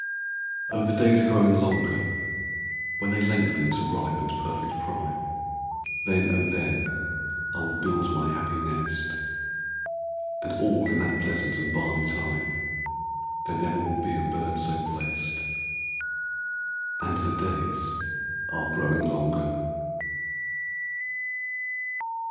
Oh, the days are growing longer; When they lengthen to ripe and perfect prime, Then, oh, then, I will build my happy nest; And all in that pleasant and balmy time, There never will be a bird so blest; And the days are growing longer.